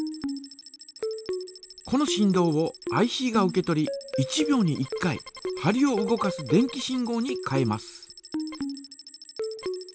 この振動をＩＣが受け取り１秒に１回針を動かす電気信号に変えます。